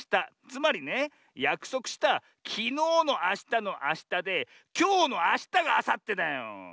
つまりねやくそくしたきのうのあしたのあしたできょうのあしたがあさってだよ。